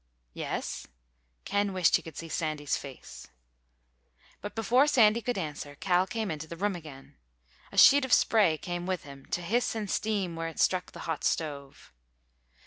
"Yes?" Ken wished he could see Sandy's face. But before Sandy could answer, Cal came into the room again. A sheet of spray came with him, to hiss and steam where it struck the hot stove.